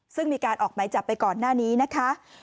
ซึ่งมีการออกไหมจับไปก่อนหน้านี้นะคะ